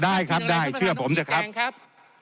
ได้ครับได้เชื่อผมนะครับ